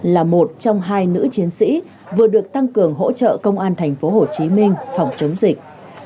là một trong hai nữ chiến sĩ vừa được tăng cường hỗ trợ công an tp hcm phòng chống dịch